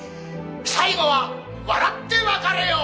「最後は笑って別れよう！